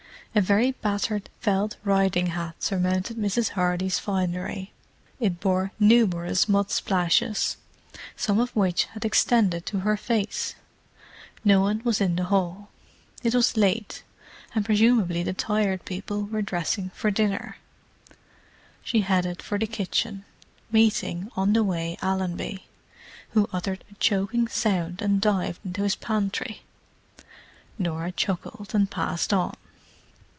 A very battered felt riding hat surmounted Mrs. Hardy's finery; it bore numerous mud splashes, some of which had extended to her face. No one was in the hall; it was late, and presumably the Tired People were dressing for dinner. She headed for the kitchen, meeting, on the way, Allenby, who uttered a choking sound and dived into his pantry. Norah chuckled, and passed on.